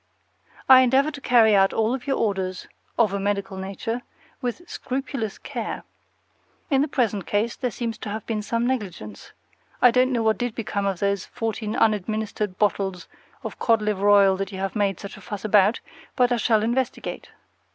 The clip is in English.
I endeavor to carry out all of your orders of a medical nature with scrupulous care. In the present case there seems to have been some negligence; I don't know what did become of those fourteen unadministered bottles of cod liver oil that you have made such a fuss about, but I shall investigate.